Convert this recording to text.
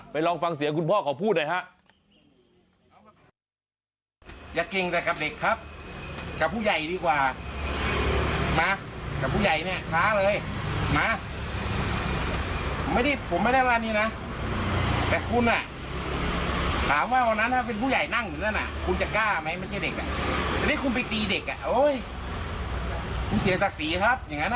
ไปลองฟังเสียคุณพ่อเขาพูดนะฮะ